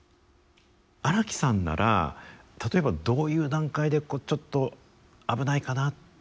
荒木さんなら例えばどういう段階でちょっと危ないかなって考え始めるんですか。